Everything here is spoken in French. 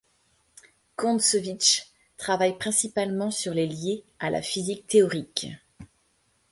Kontsevitch travaille principalement sur les liés à la physique théorique.